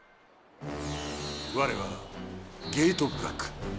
われはゲートブラック！